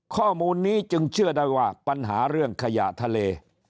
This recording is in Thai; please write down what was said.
ข้อมูลนี้จึงเชื่อได้ว่าปัญหาเรื่องขยะทะเล